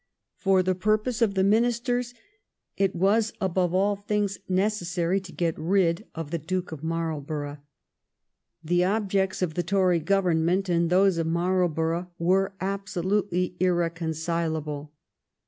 For the purpose of the Ministers, it was above all things necessary to get rid of the Duke of Marlborough. The objects of the Tory Government and those of Marlborough were absolutely irreconcilable.